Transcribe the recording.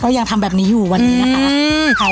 ยังทำแบบนี้อยู่วันนี้นะคะ